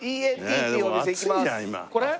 これ？